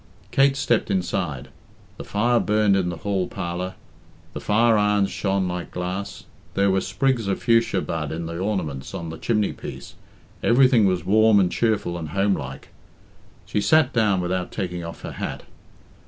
Kate stepped inside. The fire burned in the hall parlour, the fire irons shone like glass, there were sprigs of fuchsia bud in the ornaments on the chimneypiece everything was warm and cheerful and homelike. She sat down without taking off her hat.